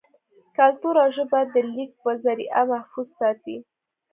کلتور او ژبه دَليک پۀ زريعه محفوظ ساتي